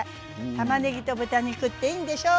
たまねぎと豚肉っていいんでしょう？